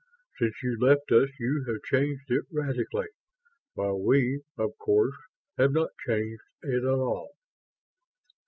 Since you left us you have changed it radically; while we, of course, have not changed it at all."